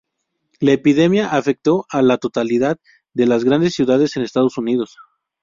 La epidemia afectó a la totalidad de las grandes ciudades de Estados Unidos.